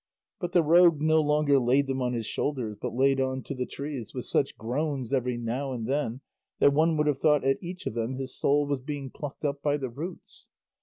But the rogue no longer laid them on his shoulders, but laid on to the trees, with such groans every now and then, that one would have thought at each of them his soul was being plucked up by the roots.